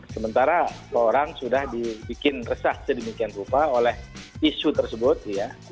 sementara orang sudah dibikin resah sedemikian rupa oleh isu tersebut ya